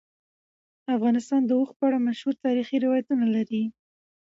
افغانستان د اوښ په اړه مشهور تاریخی روایتونه لري.